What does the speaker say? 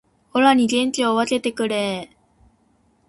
オラに元気を分けてくれー